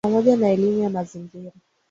pamoja na elimu ya mazingira